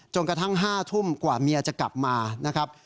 กระทั่ง๕ทุ่มกว่าเมียจะกลับมานะครับ